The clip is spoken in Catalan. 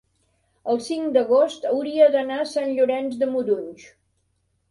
el cinc d'agost hauria d'anar a Sant Llorenç de Morunys.